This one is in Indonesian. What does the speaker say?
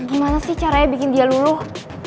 gimana sih caranya bikin dia luluh